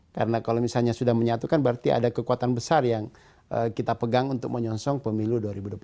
karena kalau misalnya sudah menyatukan berarti ada kekuatan besar yang kita pegang untuk menyonsong pemilu dua ribu dua puluh empat